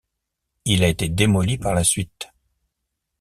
Il a été démoli par la suite.